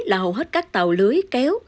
là hầu hết các tàu lưới kéo